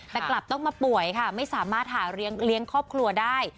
แต่กลับต้องมาป่วยค่ะไม่สามารถหาเลี้ยงครอบครัวได้